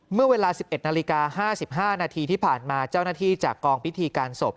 เมื่อเวลา๑๑นาฬิกา๕๕นาทีที่ผ่านมาเจ้าหน้าที่จากกองพิธีการศพ